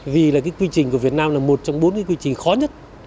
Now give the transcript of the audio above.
vì là cái quy trình của việt nam là một trong bốn cái quy trình khó nhất